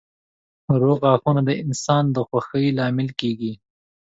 روغ غاښونه د انسان د خوښۍ لامل کېږي.